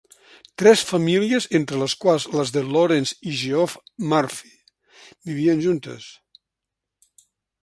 Tres famílies, entre les quals les de Lawrence i Geoff Murphy, vivien juntes.